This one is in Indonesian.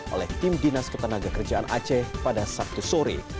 oleh tim dinas ketenaga kerjaan aceh pada sabtu sore